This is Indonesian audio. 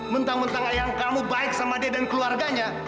mentang mentang ayam kamu baik sama dia dan keluarganya